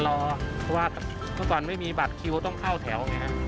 เพราะว่าเมื่อก่อนไม่มีบัตรคิวต้องเข้าแถวไงฮะ